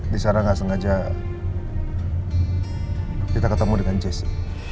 di sana gak sengaja kita ketemu dengan jessy